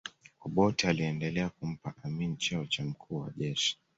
obote aliendelea kumpa amin cheo cha mkuu wa jeshi